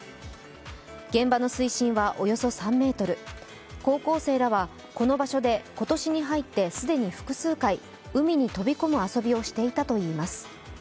現場の水深はおよそ３ｍ、高校生らはこの場所で今年に入って既に複数回海に飛び込む遊びをしていたといいます。